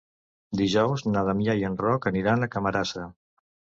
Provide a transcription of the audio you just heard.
Dijous na Damià i en Roc aniran a Camarasa.